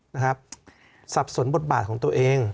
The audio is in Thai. นะครับสับสนบทบาทของตัวเอง